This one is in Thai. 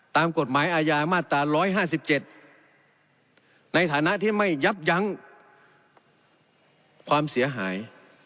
ตามกฎหมายอาญามาตรา๑๕๗ในฐานะที่ไม่ยับยั้งความเสียหาย